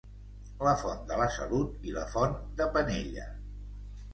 La font de la Salut i la font de Penella.